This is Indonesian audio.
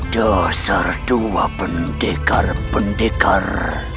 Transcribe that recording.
dasar dua pendekar pendekar